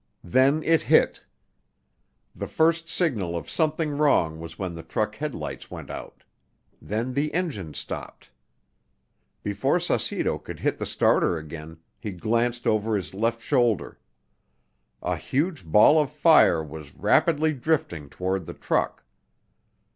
Then it hit. The first signal of something wrong was when the truck's headlights went out; then the engine stopped. Before Saucedo could hit the starter again he glanced over his left shoulder. A huge ball of fire was "rapidly drifting" toward the truck.